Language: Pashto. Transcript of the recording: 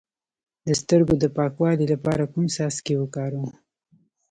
د سترګو د پاکوالي لپاره کوم څاڅکي وکاروم؟